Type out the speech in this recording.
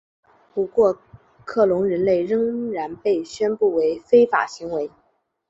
不过克隆人类仍然被宣布为非法行为。